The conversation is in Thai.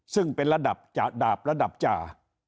ซึ่งเป็นระดับจ่า